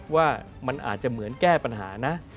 ว่ามันอาจจะเหมือนแก้ปัญหานะ